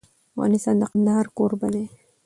افغانستان د کندهار کوربه دی.